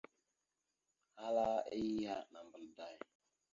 Ala iyah, nambal day !